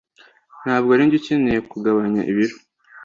Ntabwo arinjye ukeneye kugabanya ibiro.